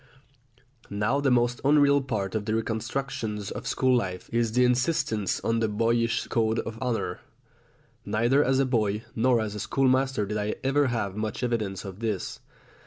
Now the most unreal part of the reconstructions of school life is the insistence on the boyish code of honour. Neither as a boy nor as a schoolmaster did I ever have much evidence of this.